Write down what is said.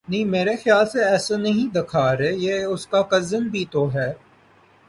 نہیں میرے خیال سے ایسا نہیں دکھا رہے یہ اس کا کزن بھی تو ہے